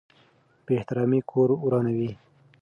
بې احترامي کور ورانوي.